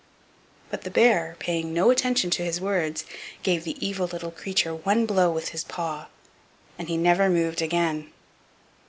But the bear, paying no attention to his words, gave the evil little creature one blow with his paw, and he never moved again.